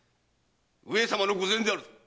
上様の御前であるぞ。